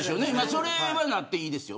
それはなっていいです。